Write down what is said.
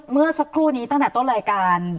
เมื่อสักครู่นี้ตั้งแต่ต้นรายการ